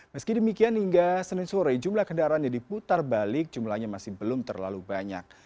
meski demikian hingga senin sore jumlah kendaraan yang diputar balik jumlahnya masih belum terlalu banyak